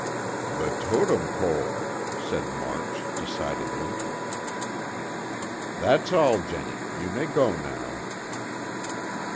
"The Totem Pole," said March, decidedly. "That's all, Jennie, you may go now."